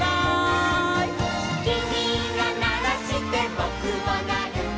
「きみがならしてぼくもなる」